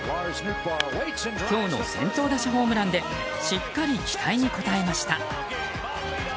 今日の先頭打者ホームランでしっかり期待に応えました。